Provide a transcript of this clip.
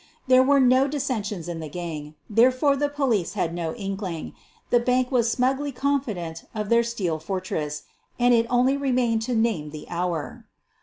There were no dissensions in the gang, there fore the police had no inkling, the bank was smugly confident of their steel fortress, and it only remained to name the hour.